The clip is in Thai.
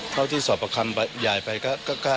เท่าที่สอปครรมใหญ่ไปก็